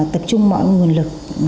tập trung mọi nguồn lực